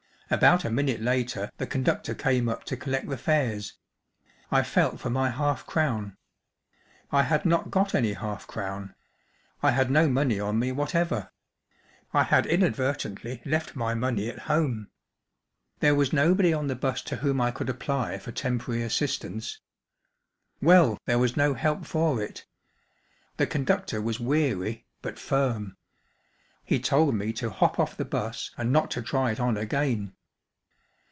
About a minute later the conductor came up to collect the fares. I felt for my half crown. I had not got any half crown. I had no money on me whatever. I had inadvertently left my money at home. There was nobody on the Diqilized byGoOQ[e ?' o bus to whom I could apply for temporary assist¬ ance. Well, there was no help for it. The conductor was weary, but firm. He told me to hop off the bus and not to try it on again.